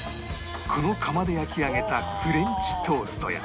この釜で焼き上げたフレンチトーストや